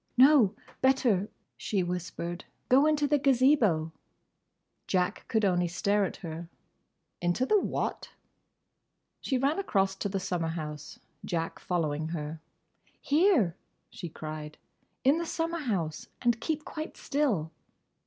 "No! Better!" she whispered. "Go into the Gazebo." Jack could only stare at her. "Into the what?" She ran across to the summer house, Jack following her. "Here," she cried, "in the summer house. And keep quite still."